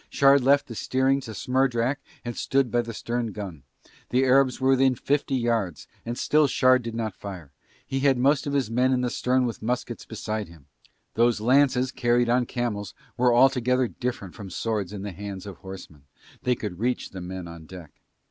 Shard left the steering to Smerdrak and stood by the stern gun, the Arabs were within fifty yards and still Shard did not fire; he had most of his men in the stern with muskets beside him. Those lances carried on camels were altogether different from swords in the hands of horsemen, they could reach the men on deck.